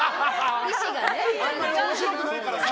あんまり面白くないからさ！